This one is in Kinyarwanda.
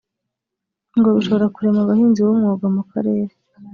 ngo bishobora kurema abahinzi b’umwuga mu karere